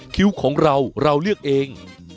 คดีเด็กหายเด็ก๘เดือน